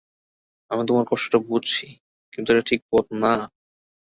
আমি তোমার কষ্টটা বুঝছি, কিন্তু এটা সঠিক পথ না।